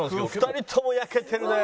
２人とも焼けてるね。